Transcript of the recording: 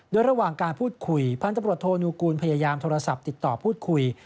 โดยระหว่างการพูดคุยพันธบรวูกูลพยายามโทรศัพท์ติดต่อพูดคุย